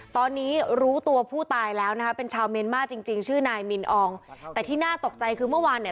ตอนนี้รู้ตัวผู้ตายแล้วนะเป็นชาวเมนมาร์จริงชื่อนายมีนอองตั้งแต่ที่หน้าตกใจคือเมื่อวานให่